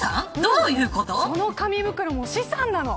その紙袋も資産なの。